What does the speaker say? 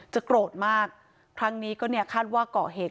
จะโกรธมากครั้งนี้ก็คาดว่าก่อเหตุ